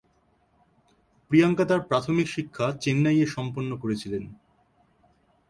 প্রিয়াঙ্কা তার প্রাথমিক শিক্ষা চেন্নাইয়ে সম্পন্ন করেছিলেন।